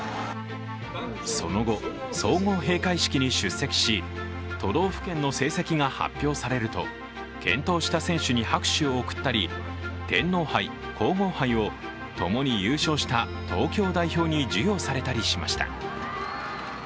その後、総合閉会式に出席し都道府県の成績が発表されると健闘した選手に拍手を送ったり天皇杯・皇后杯をともに優勝した東京代表に授与されたりしました。